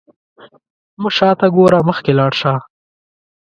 مه شاته ګوره، مخکې لاړ شه.